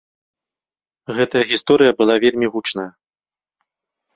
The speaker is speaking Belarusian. Гэтая гісторыя была вельмі гучная.